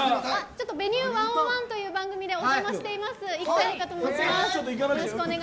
「Ｖｅｎｕｅ１０１」という番組でお邪魔しています生田絵梨花と申します。